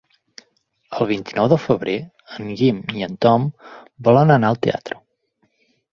El vint-i-nou de febrer en Guim i en Tom volen anar al teatre.